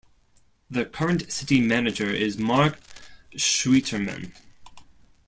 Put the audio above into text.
The current City Manager is Mark Schwieterman.